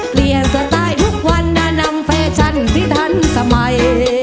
เปลี่ยนสไตล์ทุกวันด่านำแฟชั่นที่ทันสมัย